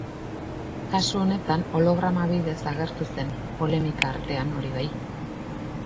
Kasu honetan holograma bidez agertu zen, polemika artean, hori bai.